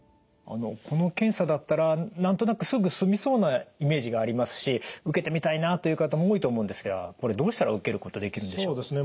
この検査だったら何となくすぐ済みそうなイメージがありますし受けてみたいなという方も多いと思うんですがこれどうしたら受けることできるんでしょうか？